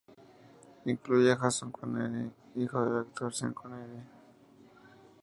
Incluye a Jason Connery, hijo del actor Sean Connery.